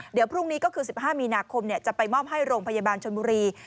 เดี๋ยวพรุ่งนี้ก็คือ๑๕มีนาคมจะไปมอบให้โรงพยาบาลชนบุรี